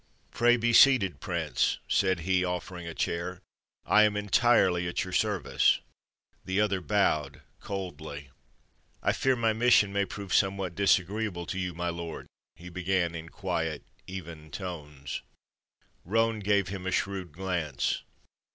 "Pray be seated, Prince," said he, offering a chair; "I am entirely at your service." The other bowed coldly. "I fear my mission may prove somewhat disagreeable to you, my lord," he began, in quiet, even tones. Roane gave him a shrewd glance.